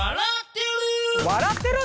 「笑ってる」